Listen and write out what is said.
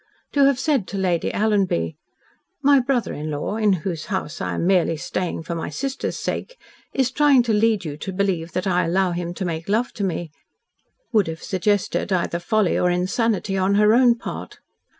To have said to Lady Alanby: "My brother in law, in whose house I am merely staying for my sister's sake, is trying to lead you to believe that I allow him to make love to me," would have suggested either folly or insanity on her own part.